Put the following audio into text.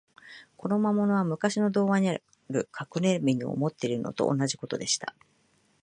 この魔物は、むかしの童話にある、かくれみのを持っているのと同じことでした。